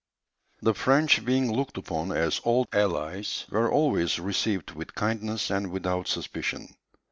The French being looked upon as old allies were always received with kindness and without suspicion.